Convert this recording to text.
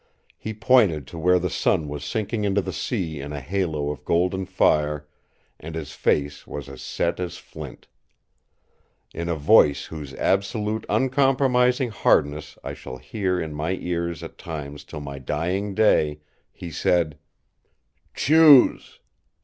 He pointed to where the sun was sinking into the sea in a halo of golden fire, and his face was as set as flint. In a voice whose absolute uncompromising hardness I shall hear in my ears at times till my dying day, he said: "Choose!